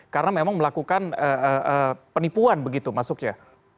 karena memang melakukan penipuan begitu masuknya